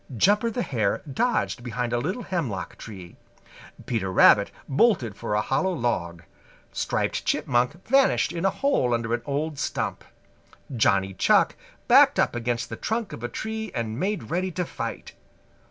Jumper the Hare dodged behind a little hemlock tree. Peter Rabbit bolted for a hollow log. Striped Chipmunk vanished in a hole under an old stump. Johnny Chuck backed up against the trunk of a tree and made ready to fight.